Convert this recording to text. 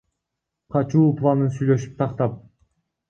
Качуу планын сүйлөшүп, тактап.